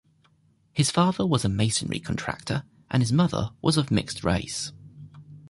His father was a masonry contractor and his mother was of mixed race.